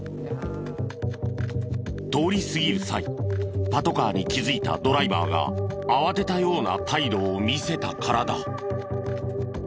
通り過ぎる際パトカーに気づいたドライバーが慌てたような態度を見せたからだ。